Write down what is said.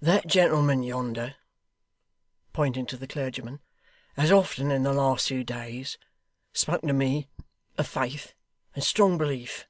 'That gentleman yonder ' pointing to the clergyman 'has often in the last few days spoken to me of faith, and strong belief.